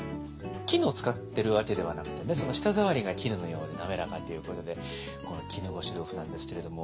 絹を使ってるわけではなくて舌触りが絹のようになめらかということでこの絹ごし豆腐なんですけれども。